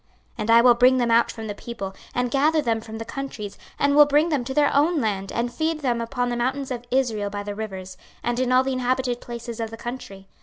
26:034:013 And I will bring them out from the people, and gather them from the countries, and will bring them to their own land, and feed them upon the mountains of Israel by the rivers, and in all the inhabited places of the country.